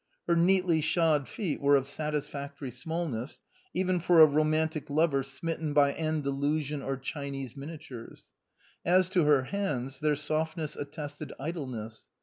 Her neatly shod feet were of satisfactory smallness, even for a romantic lover smitten by Andalusian or Chinese miniatures. As to her hands, their softness attested idleness.